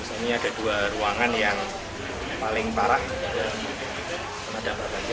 ini ada dua ruangan yang paling parah dan kena dampak banjir